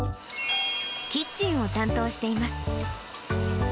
キッチンを担当しています。